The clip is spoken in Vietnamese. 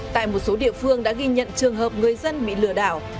tại một số địa phương đã ghi nhận trường hợp người dân bị lừa đảo